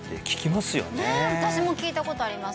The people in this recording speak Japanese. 私も聞いたことあります